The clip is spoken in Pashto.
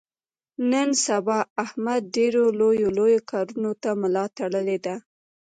نن سبا احمد ډېرو لویو لویو کاونو ته ملا تړلې ده.